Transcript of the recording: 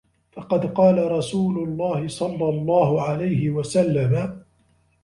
فَقَدْ قَالَ رَسُولُ اللَّهِ صَلَّى اللَّهُ عَلَيْهِ وَسَلَّمَ